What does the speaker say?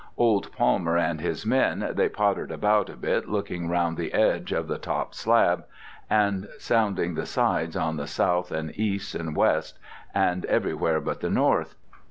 "Old Palmer and his men they pottered about a bit looking round the edge of the top slab and sounding the sides on the south and east and west and everywhere but the north.